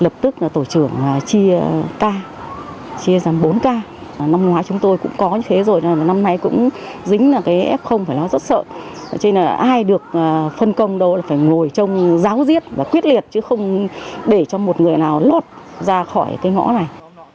phân công đâu là phải ngồi trong giáo riết và quyết liệt chứ không để cho một người nào lọt ra khỏi cái ngõ này